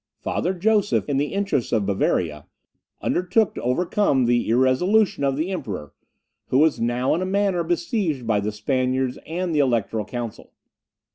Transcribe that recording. Father Joseph, in the interests of Bavaria, undertook to overcome the irresolution of the Emperor, who was now in a manner besieged by the Spaniards and the Electoral Council.